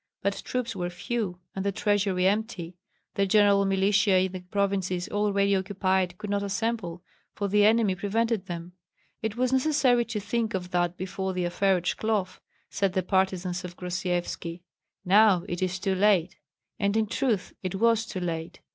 But troops were few, and the treasury empty; the general militia in the provinces already occupied could not assemble, for the enemy prevented them. "It was necessary to think of that before the affair at Shklov," said the partisans of Grosyevski; "now it is too late." And in truth it was too late.